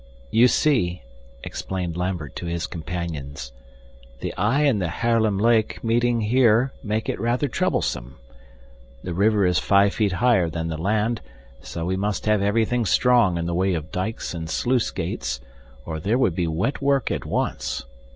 "You see," explained Lambert to his companions, "the Y and the Haarlem Lake meeting here make it rather troublesome. The river is five feet higher than the land, so we must have everything strong in the way of dikes and sluice gates, or there would be wet work at once.